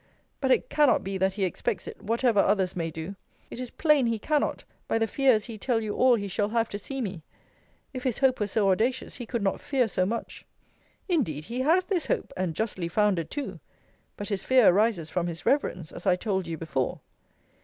But it cannot be that he expects it, whatever others may do. It is plain he cannot, by the fears he tell you all he shall have to see me. If his hope were so audacious, he could not fear so much. Indeed, he has this hope; and justly founded too. But his fear arises from his reverence, as I told you before.